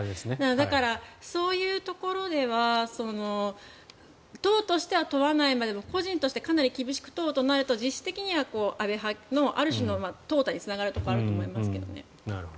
だから、そういうところでは党としては問わないまでも個人としてかなり厳しく問うとなると実質的には安倍派のある種のとう汰につながるところもあると思いますけどね。